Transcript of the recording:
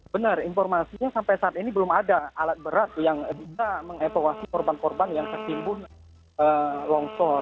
benar informasinya sampai saat ini belum ada alat berat yang bisa mengevakuasi korban korban yang tertimbun longsor